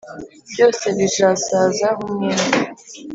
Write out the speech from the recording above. byose bizasaza nk umwenda